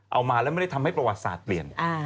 เอามาแล้วไม่ได้ทำให้ประวัติศาสตร์เปลี่ยน